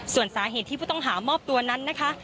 ส่วนสาเหตุที่ผู้ต้องหามอบตัวนั้นนะคะ